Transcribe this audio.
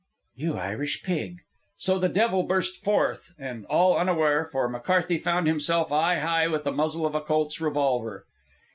"You Irish pig!" So the devil burst forth, and all unaware, for McCarthy found himself eye high with the muzzle of a Colt's revolver.